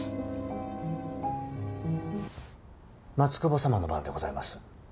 松久保さまの番でございます。